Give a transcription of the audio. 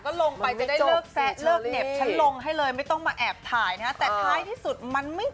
ก็ลงไปจะได้เลิกแสะเลิกเหน็บ